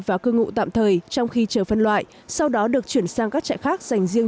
và cư ngụ tạm thời trong khi chờ phân loại sau đó được chuyển sang các trại khác dành riêng